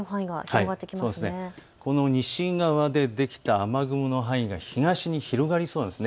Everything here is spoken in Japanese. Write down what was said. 西側でできた雨雲の範囲が東へ広がりそうなんです。